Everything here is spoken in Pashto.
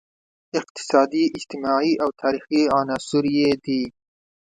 اقتصادي، اجتماعي او تاریخي عناصر یې دي.